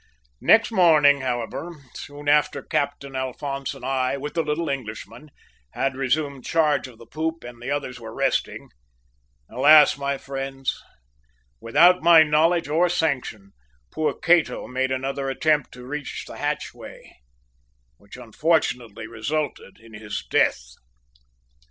"Next morning, however, soon after Captain Alphonse and I, with the little Englishman, had resumed charge of the poop and the others were resting alas, my friends, without my knowledge or sanction, poor Cato made another attempt to reach the hatchway, which, unfortunately resulted in his death!